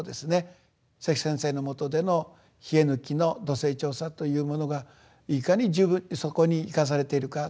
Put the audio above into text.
関先生のもとでの稗貫の土性調査というものがいかに十分にそこに生かされているか。